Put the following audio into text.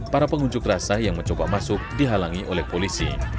para pengunjuk rasa yang mencoba masuk dihalangi oleh polisi